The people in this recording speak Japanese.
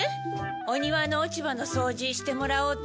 お庭の落ち葉の掃除してもらおうと思って。